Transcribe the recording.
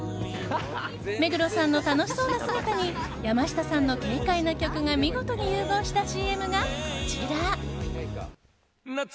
目黒さんの楽しそうな姿に山下さんの軽快な曲が見事に融合したＣＭがこちら。